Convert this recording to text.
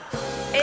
え？